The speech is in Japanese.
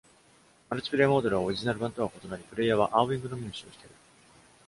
マルチプレイモードでは、オリジナル版とは異なり、プレイヤーはアーウィングのみを使用している。